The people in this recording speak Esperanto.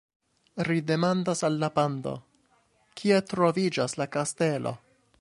Ri demandas al la pando: "Kie troviĝas la kastelo?"